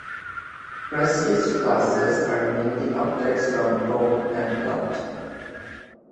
Prestige classes are mainly updates from Tome and Blood.